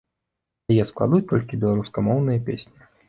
Яе складуць толькі беларускамоўныя песні.